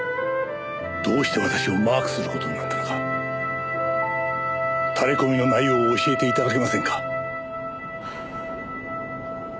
どうして私をマークする事になったのかタレコミの内容を教えて頂けませんか？